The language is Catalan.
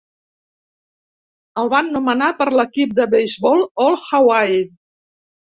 El van nomenar per l'equip de beisbol All-Hawaii.